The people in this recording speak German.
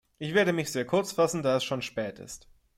Ich werde mich sehr kurz fassen, da es schon spät ist.